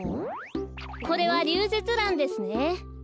これはリュウゼツランですね。